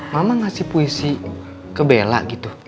mama ngasih puisi ke bela gitu